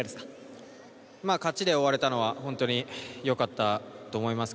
勝ちに終われたのは本当に良かったと思います。